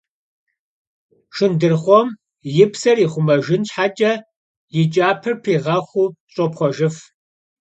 Şşındırxhom yi pser yixhumejjın şheç'e yi ç'aper piğexuu ş'opxhuejjıf.